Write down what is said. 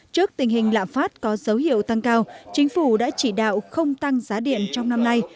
trước tình hình lạm phát có dấu hiệu tăng cao chính phủ đã chỉ đạo không tăng giá điện trong năm nay